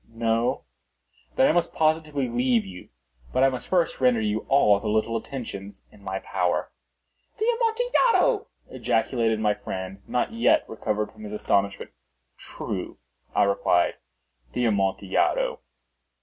No? Then I must positively leave you. But I must first render you all the little attentions in my power." "The Amontillado!" ejaculated my friend, not yet recovered from his astonishment. "True," I replied; "the Amontillado."